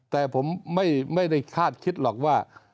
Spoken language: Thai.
แต่ผมไม่ได้คาดคิดหรอกว่า